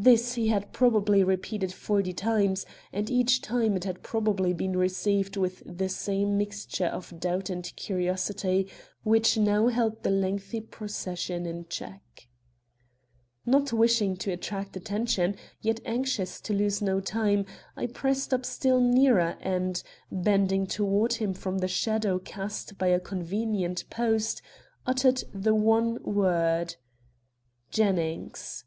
This he had probably repeated forty times, and each time it had probably been received with the same mixture of doubt and curiosity which now held the lengthy procession in check. Not wishing to attract attention, yet anxious to lose no time, I pressed up still nearer, and, bending toward him from the shadow cast by a convenient post, uttered the one word: "Jennings."